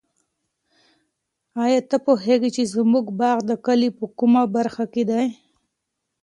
آیا ته پوهېږې چې زموږ باغ د کلي په کومه برخه کې دی؟